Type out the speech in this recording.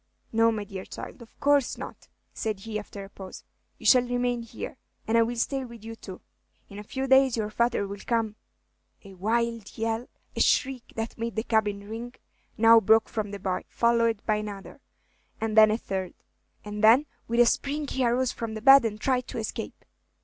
"No, my dear child, of course not," said he, after a pause. "You shall remain here, and I will stay with you too. In a few days your father will come " A wild yell, a shriek that made the cabin ring, now broke from the boy, followed by another, and then a third; and then with a spring he arose from the bed, and tried to escape.